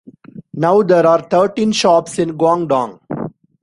Now, there are thirteen shops in Guangdong.